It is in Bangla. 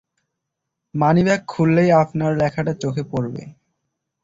মানিব্যাগটা খুললেই আপনার লেখাটা চোখে পড়বে।